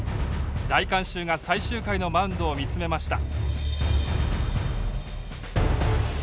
大観衆が最終回のマウンドを見つめました。